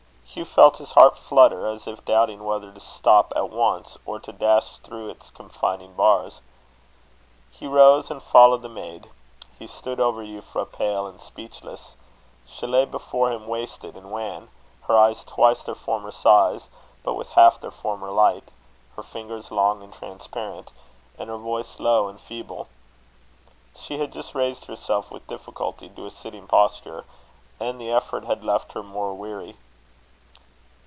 Hugh felt his heart flutter as if doubting whether to stop at once, or to dash through its confining bars. He rose and followed the maid. He stood over Euphra pale and speechless. She lay before him wasted and wan; her eyes twice their former size, but with half their former light; her fingers long and transparent; and her voice low and feeble. She had just raised herself with difficulty to a sitting posture, and the effort had left her more weary.